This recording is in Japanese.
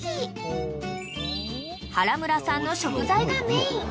［原村産の食材がメイン］